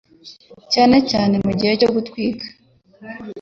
cyane cyane mu gihe cyo gutwita,